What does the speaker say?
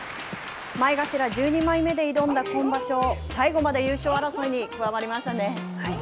前頭１２枚目で挑んだ今場所、最後まで優勝争いに加わりましたね。